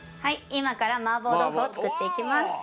今から麻婆豆腐を作っていきます。